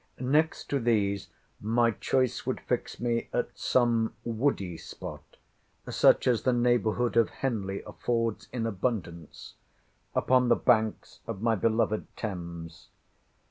Next to these my choice would fix me at some woody spot, such as the neighbourhood of Henley affords in abundance, upon the banks of my beloved Thames.